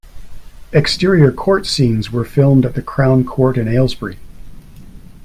Exterior court scenes were filmed at the Crown Court in Aylesbury.